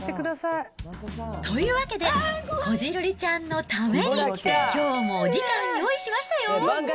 というわけで、こじるりちゃんのためにきょうもお時間用意しましたよ。